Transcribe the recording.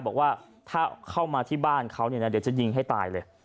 บอกว่าถ้าเข้ามาที่บ้านเขาเนี่ยนะเดี๋ยวจะยิงให้ตายเลย